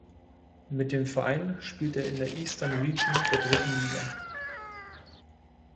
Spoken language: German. Mit dem Verein spielt er in der Eastern Region der dritten Liga.